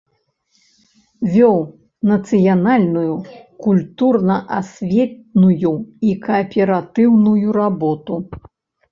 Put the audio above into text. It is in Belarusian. Вёў нацыянальную, культурна-асветную і кааператыўную работу.